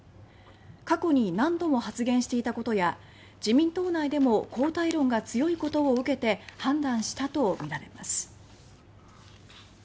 過去に何度も発言していたことや自民党内でも交代論が強いことを受けて判断したとみられます。